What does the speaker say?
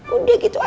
udah gitu aja